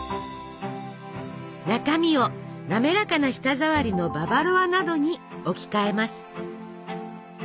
中身を滑らかな舌触りのババロアなどに置き換えます。